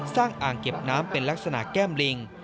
อ่างเก็บน้ำเป็นลักษณะแก้มลิง